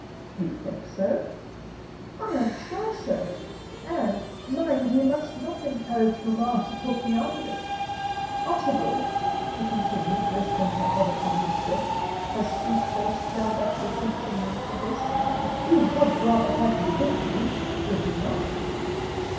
"You think so?" "I am sure so. And, mind you must not encourage mamma to talk me out of it. Archibald," she continued, resting her head upon his breast, her sweet face turned up beseechingly to his, "you would rather have me with you, would you not?"